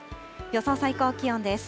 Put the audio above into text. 予想最高気温です。